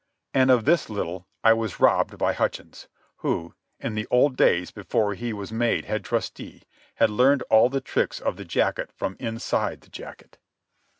And of this little I was robbed by Hutchins, who, in the old days before he was made head trusty, had learned all the tricks of the jacket from the inside of the jacket.